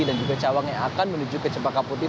dan juga cawang yang akan menuju ke cempaka putih